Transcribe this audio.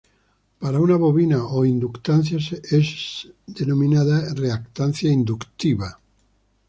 Para una bobina o inductancia es denominada reactancia inductiva.